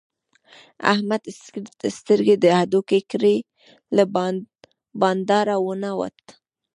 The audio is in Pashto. احمد سترګې د هډوکې کړې؛ له بانډاره و نه وت.